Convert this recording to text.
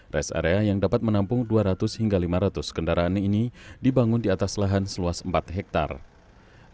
rest area yang dapat menampung dua ratus hingga lima ratus kendaraan ini dibangun di atas lahan seluas empat hektare